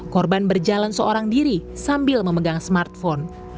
korban berjalan seorang diri sambil memegang smartphone